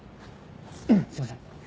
すいません。